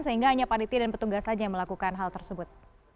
sehingga hanya panitia dan petugas saja yang melakukan hal tersebut